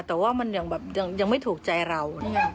แต่ว่ามันยังแบบยังยังยังไม่ถูกใจเรานี่ไง